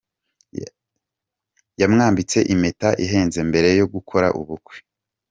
Yamwambitse impeta ihenze mbere yo gukora ubukwe.